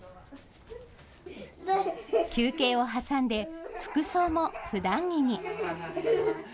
休憩を挟んで、服装もふだん着に。